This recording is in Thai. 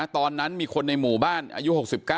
ตอนนั้นมีคนในหมู่บ้านอายุ๖๙